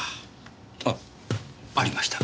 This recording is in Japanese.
あっありました。